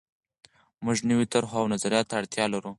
موږ نویو طرحو او نظریاتو ته اړتیا لرو.